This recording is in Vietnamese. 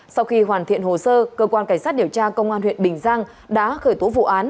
sau khi hoàn thiện hồ sơ cơ quan cảnh sát điều tra công an huyện bình giang đã khởi tố vụ án